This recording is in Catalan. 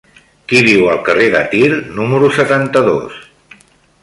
Qui viu al carrer de Tir número setanta-dos?